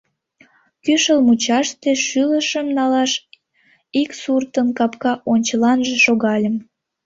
Кӱшыл мучаште шӱлышым налаш ик суртын капка ончыланже шогальым.